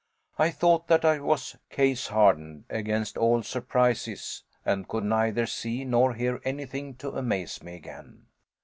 I thought that I was case hardened against all surprises and could neither see nor hear anything to amaze me again.